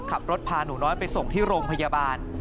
ขับรถพาหนูน้อยไปส่งที่โรงพยาบาล